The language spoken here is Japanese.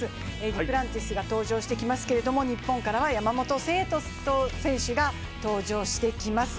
デュプランティスが登場してきますけれども日本からは山本聖途選手が登場してきます。